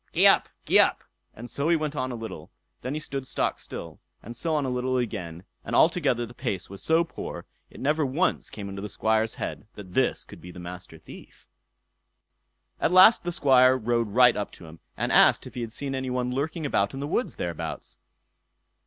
"Gee up! Gee up!" and so he went on a little; then he stood stock still, and so on a little again; and altogether the pace was so poor it never once came into the Squire's head that this could be the Master Thief. At last the Squire rode right up to him, and asked if he had seen any one lurking about in the wood thereabouts.